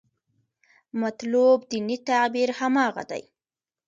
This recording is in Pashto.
مطلوب دیني تعبیر هماغه دی.